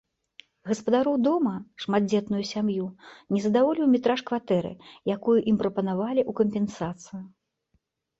Гаспадароў дома, шматдзетную сям'ю, не задаволіў метраж кватэры, якую ім прапанавалі ў кампенсацыю.